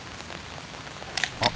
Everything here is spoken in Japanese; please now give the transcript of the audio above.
あっ。